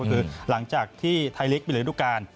ก็คือหลังจากที่ไทยลิกปิดลูกการณ์